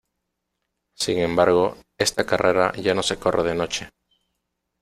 Sin embargo, esta carrera ya no se corre de noche.